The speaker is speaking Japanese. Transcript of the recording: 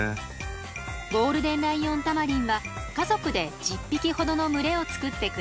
ゴールデンライオンタマリンは家族で１０匹ほどの群れを作って暮らしています。